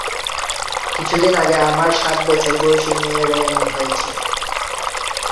কিছুদিন আগে আমার সাত বছর বয়সী মেয়েরও এমন হয়েছিল।